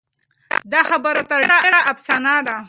دا خبره تر ډېره افسانه ده.